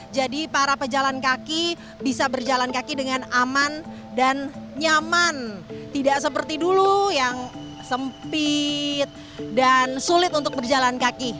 jadi para pejalan kaki bisa berjalan kaki dengan aman dan nyaman tidak seperti dulu yang sempit dan sulit untuk berjalan kaki